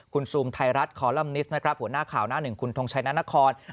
คุณซูมไทยรัฐคอลัมนิสนะครับหัวหน้าข่าวหน้าหนึ่งคุณทงชัยนานคร